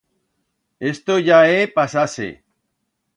Esto ya é pasar-se.